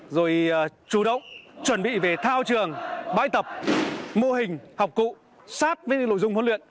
rồi chủ động chuẩn bị về thao trường bài tập mô hình học cụ sát với nội dung huấn luyện